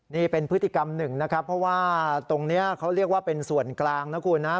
นี่เป็นพฤติกรรมหนึ่งนะครับเพราะว่าตรงนี้เขาเรียกว่าเป็นส่วนกลางนะคุณนะครับ